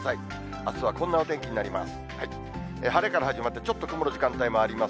あすはこんなお天気になります。